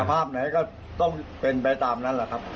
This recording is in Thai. ภาพไหนก็ต้องเป็นไปตามนั้นแหละครับ